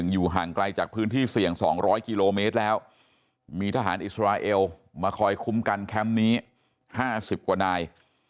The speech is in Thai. อยู่ห่างไกลจากพื้นที่เสี่ยง๒๐๐กิโลเมตรแล้วมีทหารอิสราเอลมาคอยคุ้มกันแคมป์นี้๕๐กว่านาย